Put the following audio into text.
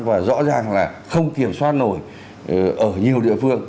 và rõ ràng là không kiểm soát nổi ở nhiều địa phương